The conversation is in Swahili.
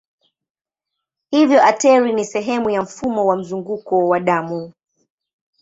Hivyo ateri ni sehemu ya mfumo wa mzunguko wa damu.